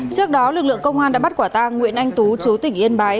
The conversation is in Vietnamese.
trước đó lực lượng công an đã bắt quả tang nguyễn anh tú chú tỉnh yên bái